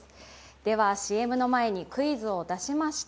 では、ＣＭの前にクイズを出しました。